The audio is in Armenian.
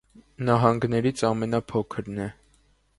Նահանգներից ամենափոքրն է։